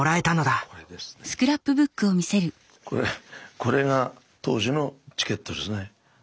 これが当時のチケットですね。